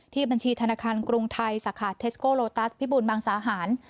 บัญชีธนาคารกรุงไทยสาขาเทสโกโลตัสพิบูลมังสาหาร